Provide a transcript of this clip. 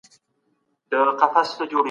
تاسو ولې د خپل وطن خدمت نه کوئ؟